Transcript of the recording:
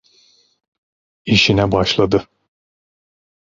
İşine başladı.